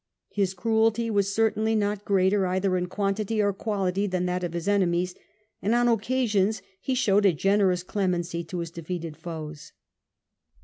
His cruelty was cer tainly not greater, either in quantity or quality, than that of his enemies : and on occasions he showed a generous clemency to his defeated foes.